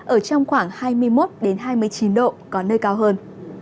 ở trong khoảng hai mươi một hai mươi chín độ có nơi cao hơn